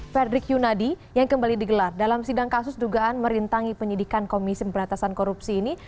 fredrik yunadi yang kembali digelar dalam sidang kasus dugaan merintangi penyidikan komisi pemberantasan korupsi ini